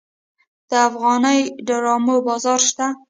د افغاني ډرامو بازار شته؟